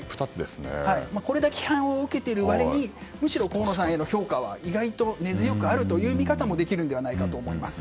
これだけ批判を受けている割にむしろ河野さんへの評価は意外と根強くあるという見方もできると思います。